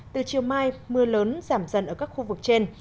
từ chiều mai mưa lớn giảm dần ở các khu vực trên